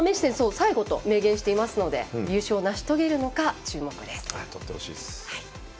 最後と明言していますので優勝を成し遂げるか注目です。